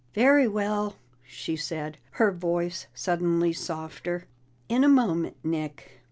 "Very well," she said, her voice suddenly softer. "In a moment, Nick."